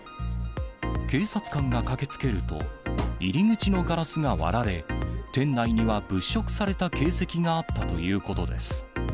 警察官が駆けつけると、入り口のガラスが割られ、店内には物色された形跡があったということです。